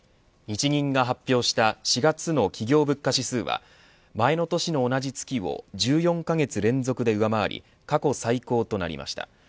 日銀が発表した４月の企業物価指数は前の年の同じ月を１４カ月連続で上回り過去最高となりました。